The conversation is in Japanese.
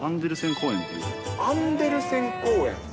アンデルセン公園？